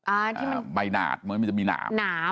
อันที่มันใบหนาดเหมือนมันจะมีหนามหนาม